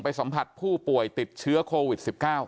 สัมผัสผู้ป่วยติดเชื้อโควิด๑๙